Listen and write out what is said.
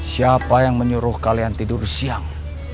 siapa yang menyuruh kalian tidur siang